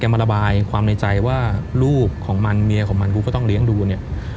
มาระบายความในใจว่าลูกของมันเมียของมันกูก็ต้องเลี้ยงดูเนี่ย